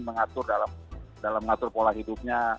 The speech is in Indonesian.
mengatur dalam mengatur pola hidupnya